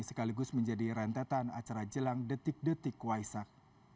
sekaligus menjadi rentetan acara jelang detik detik waisak